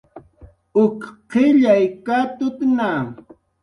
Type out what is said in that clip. Uk qillay katutna